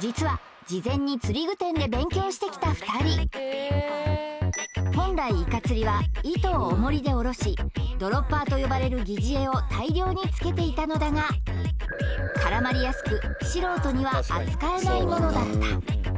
実は事前に釣具店で勉強してきた２人本来イカ釣りは糸をオモリで下ろしドロッパーと呼ばれる疑似餌を大量に付けていたのだが絡まりやすく素人には扱えないものだった